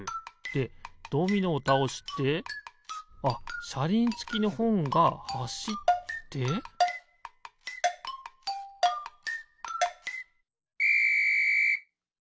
でドミノをたおしてあっしゃりんつきのほんがはしってピッ！